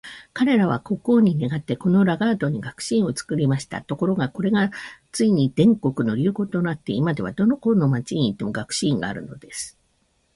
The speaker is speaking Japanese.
彼等は国王に願って、このラガードに学士院を作りました。ところが、これがついに全国の流行となって、今では、どこの町に行っても学士院があるのです。